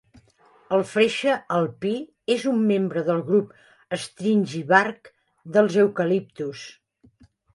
El freixe alpí és un membre del grup "Stringybark" dels eucaliptus.